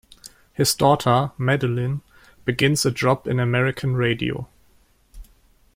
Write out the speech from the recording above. His daughter, Madeline, begins a job in American radio.